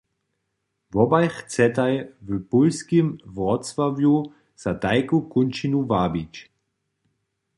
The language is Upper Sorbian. Wobaj chcetaj w pólskim Wrócławju za tajku kónčinu wabić.